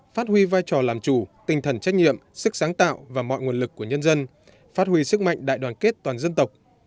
phát huy vai trò làm chủ tinh thần trách nhiệm sức sáng tạo và mọi nguồn lực của nhân dân phát huy sức mạnh đại đoàn kết toàn dân tộc